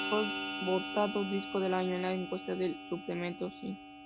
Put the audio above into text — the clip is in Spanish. Fue votado "Disco del año" en la encuesta del "Suplemento Sí!